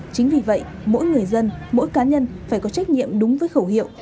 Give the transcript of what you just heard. chính vì vậy mỗi người dân mỗi cá nhân phải có trách nhiệm đúng với khẩu hiệu